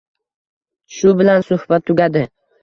Shu bilan suhbat tugadi